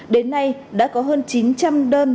đến nay đã có hơn chín trăm linh đơn